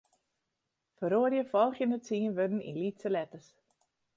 Feroarje folgjende tsien wurden yn lytse letters.